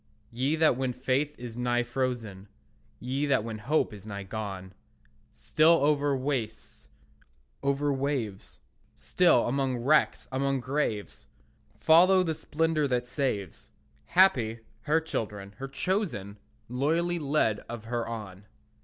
Ye that when faith is nigh frozen, Ye that when hope is nigh gone, Still, over wastes, over waves, Still, among wrecks, among graves, Follow the splendour that saves, Happy, her children, her chosen, Loyally led of her on.